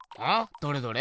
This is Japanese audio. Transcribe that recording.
どれどれ。